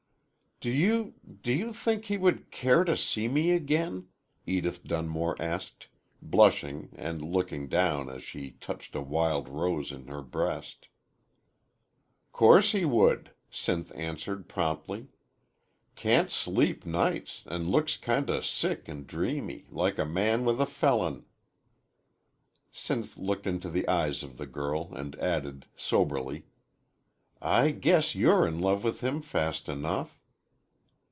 "Do you do you think he would care to see me again?" Edith Dunmore asked, blushing and looking down as she touched a wild rose on her breast. "'Course he would," Sinth answered, promptly. "Can't sleep nights, an' looks kind o' sick an' dreamy, like a man with a felon." Sinth looked into the eyes of the girl and added, soberly, "I guess you're in love with him fast enough."